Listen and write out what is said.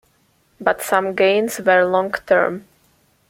But some gains were long-term.